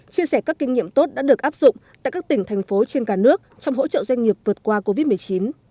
chia sẻ các kinh nghiệm tốt đã được áp dụng tại các tỉnh thành phố trên cả nước trong hỗ trợ doanh nghiệp vượt qua covid một mươi chín